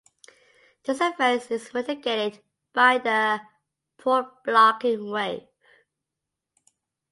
This effect is mitigated by the port-blocking wave.